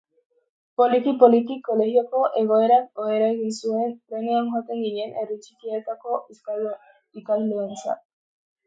Poliki-poliki, kolegioko egoerak hobera egin zuen trenean joaten ginen herri txikietako ikasleontzat.